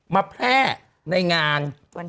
มาแพร่ในงาน